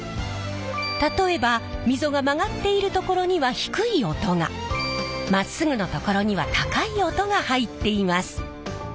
例えば溝が曲がっている所には低い音がまっすぐの所には高い音が入っています。